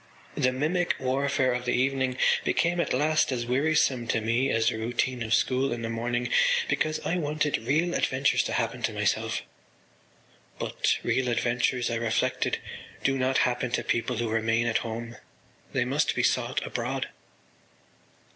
The mimic warfare of the evening became at last as wearisome to me as the routine of school in the morning because I wanted real adventures to happen to myself. But real adventures, I reflected, do not happen to people who remain at home: they must be sought abroad.